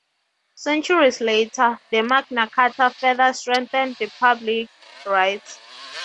Centuries later, the Magna Carta further strengthened public rights.